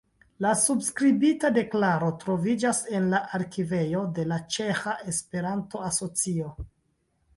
La subskribita deklaro troviĝas en la arkivejo de la Ĉeĥa Esperanto-Asocio.